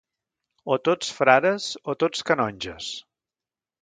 O tots frares o tots canonges.